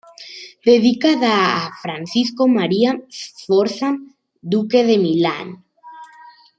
Dedicada a Francisco María Sforza, duque de Milán.